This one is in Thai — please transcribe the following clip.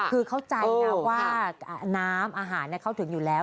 คือเข้าใจนะว่าน้ำอาหารเข้าถึงอยู่แล้ว